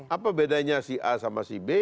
apa bedanya si a sama si b